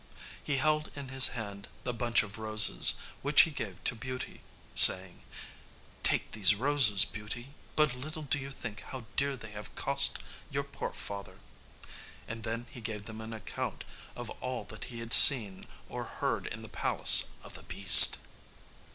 He held in his hand the bunch of roses, which he gave to Beauty, saying, "Take these roses, Beauty; but little do you think how dear they have cost your poor father." And then he gave them an account of all that he had seen or heard in the palace of the beast.